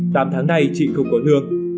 tám tháng nay chị không có thương